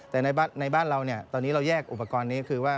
แต่ในบ้านเราตอนนี้เราแยกอุปกรณ์นี้คือว่า